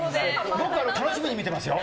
僕、楽しみに見てますよ。